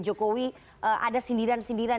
jokowi ada sindiran sindiran